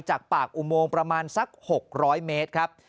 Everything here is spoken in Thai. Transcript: จากปากอุโมงประมาณสัก๖๐๐เมตรครับ